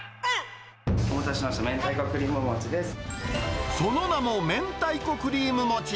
お待たせしました、明太子クその名も、明太子クリーム餅。